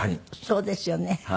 そうですよね。